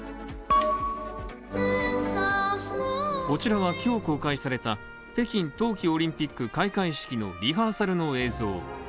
これは今日公開された北京冬季オリンピック開会式のリハーサルの映像。